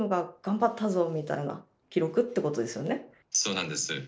そうなんです。